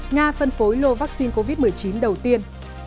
nga phân phối lô vaccine covid một mươi chín đầu tiên